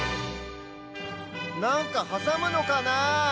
なんかはさむのかなあ？